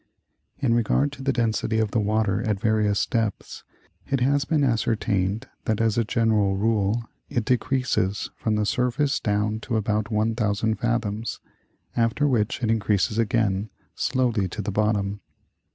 In regard to the density of the water at various depths, it has been ascertained that as a general rule it decreases from the sur face down to about 1,000 fathoms, after which it increases again Geography of the Sea. 149 slowly to the bottom.